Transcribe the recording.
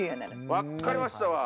わかりましたわ！